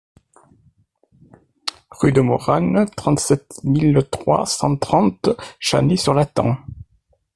Rue de Moranne, trente-sept mille trois cent trente Channay-sur-Lathan